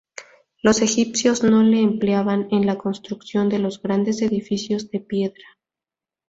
Los egipcios no lo empleaban en la construcción de los grandes edificios de piedra.